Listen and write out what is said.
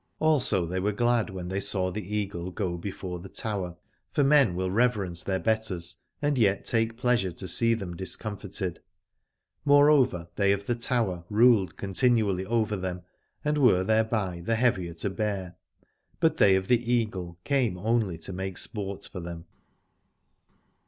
Also they were glad when they saw the Eagle go before the Tower : for men will reverence their betters and yet take pleasure to see them discomfited ; moreover they of the Tower ruled continually over them and were thereby the heavier to bear, but they of the Eagle came only to make sport for them.